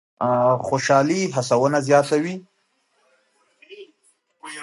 خوشالي هڅونه زیاتوي.